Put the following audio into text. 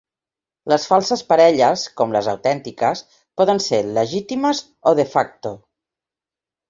Les falses parelles, com les autèntiques, poden ser legítimes o "de facto".